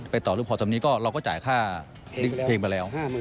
ไปต่อลูกพรศัพท์นี่ก็เราก็จ่ายค่าเพลงไปแล้ว